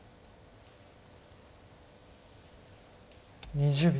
２０秒。